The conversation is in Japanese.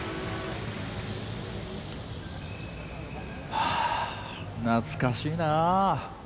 はぁ懐かしいなぁ。